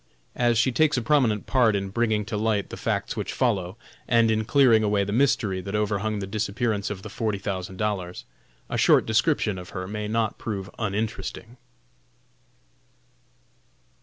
As she takes a prominent part in bringing to light the facts which follow, and in clearing away the mystery that overhung the disappearance of the forty thousand dollars, a short description of her may not prove uninteresting.